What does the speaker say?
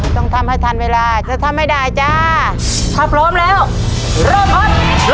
ต้องทำให้ทันเวลาจะทำให้ได้จ้าถ้าพร้อมแล้วเริ่มครับ